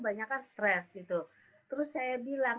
banyak stres terus saya bilang